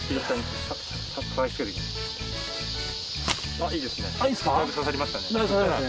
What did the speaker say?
あっいいですね。